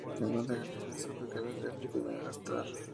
Se encuentra en regiones tropicales de África y Madagascar.